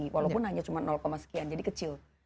walaupun hanya cuma sekian jadi kecil